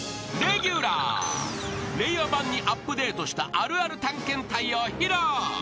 ［令和版にアップデートしたあるある探検隊を披露］